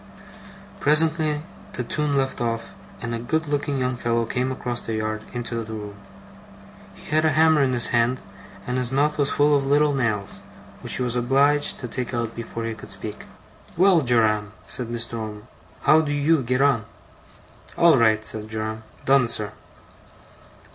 Presently the tune left off, and a good looking young fellow came across the yard into the room. He had a hammer in his hand, and his mouth was full of little nails, which he was obliged to take out before he could speak. 'Well, Joram!' said Mr. Omer. 'How do you get on?' 'All right,' said Joram. 'Done, sir.